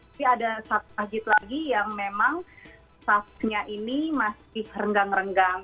tapi ada satu masjid lagi yang memang staffnya ini masih renggang renggang